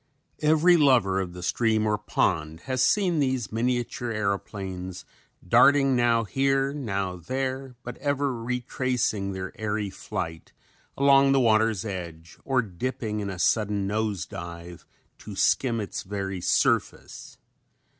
Every lover of the stream or pond has seen these miniature aeroplanes darting now here, now there but ever retracing their airy flight along the water's edge or dipping in a sudden nose dive to skim its very surface.